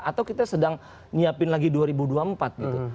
atau kita sedang nyiapin lagi dua ribu dua puluh empat gitu